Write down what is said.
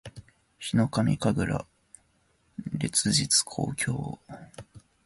ヒノカミ神楽烈日紅鏡（ひのかみかぐられつじつこうきょう）